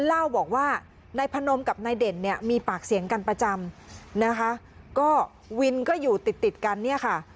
เล่าบอกว่านายพนมกับนายเด่นเนี่ยมีปากเสียงกันประจำนะคะก็วินก็อยู่ติดติดกันเนี่ยค่ะ